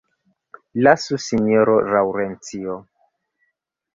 Lasu, sinjoro Laŭrencio!